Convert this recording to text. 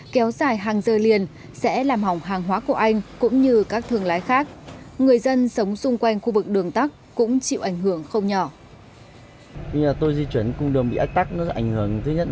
kéo dài hàng giờ liền sẽ làm hỏng hàng hóa của anh cũng như các thương lái khác người dân sống xung quanh khu vực đường tắt cũng chịu ảnh hưởng không nhỏ